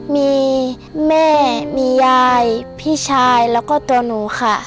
มีแม่มียายพี่ชายแล้วก็ตัวหนูค่ะ